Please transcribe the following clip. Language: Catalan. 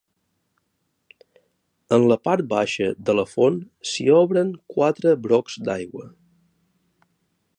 En la part baixa de la font s'hi obren quatre brocs d'aigua.